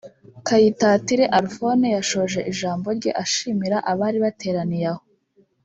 Kayitatire Alphone yashoje ijambo rye ashimira abari bateraniye aho